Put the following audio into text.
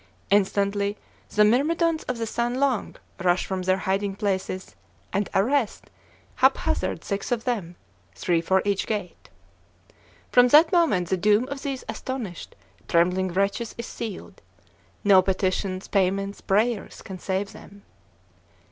Instantly the myrmidons of the san luang rush from their hiding places, and arrest, hap hazard, six of them three for each gate. From that moment the doom of these astonished, trembling wretches is sealed. No petitions, payments, prayers, can save them.